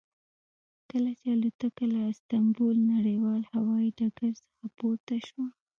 کله چې الوتکه له استانبول نړیوال هوایي ډګر څخه پورته شوه.